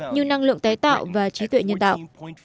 như năng lượng tái tạo và trí tuệ nhân tạo